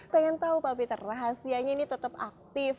pengen tahu pak peter rahasianya ini tetap aktif